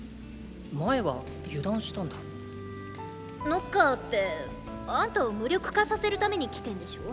ノッカーってあんたを無力化させるために来てんでしょ？